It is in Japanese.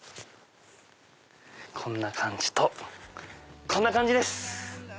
こんな感じとこんな感じです。